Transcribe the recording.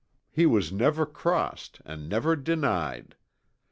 He was never crossed and never denied.